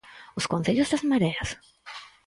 ¿Os concellos das mareas?